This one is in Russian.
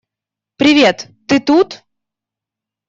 Привет, ты тут?